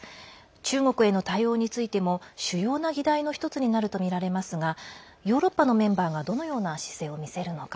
中国への対応についても主要な議題の一つになるとみられますがヨーロッパのメンバーがどのような姿勢を見せるのか。